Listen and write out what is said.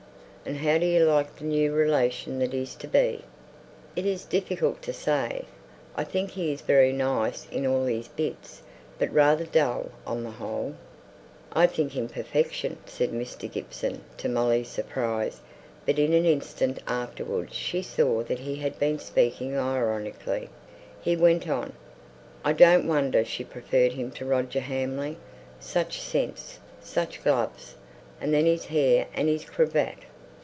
and how do you like the new relation that is to be?" "It's difficult to say. I think he's very nice in all his bits, but rather dull on the whole." "I think him perfection," said Mr. Gibson, to Molly's surprise; but in an instant afterwards she saw that he had been speaking ironically. He went on. "I don't wonder she preferred him to Roger Hamley. Such scents! such gloves! And then his hair and his cravat!"